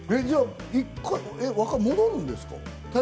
１回戻るんですか？